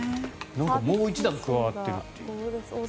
なんかもう一段加わっているという。